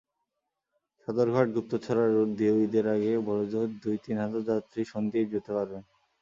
Sadarghat-Guptachhara root দিয়েও ঈদের আগে বড়জোর দুই-তিন হাজার যাত্রী সন্দ্বীপ যেতে পারবেন।